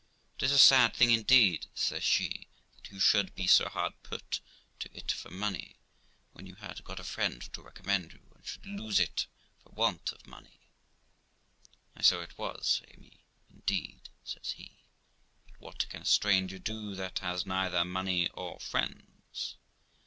'It is a sad thing indeed ', says she, ' that you should be so hard put to it for money, when you had got a friend to recommend you, and should lose it for want of money.' 'Ay, so it was, Amy, indeed', says he; 'but what can a stranger do that has neither money or friends?'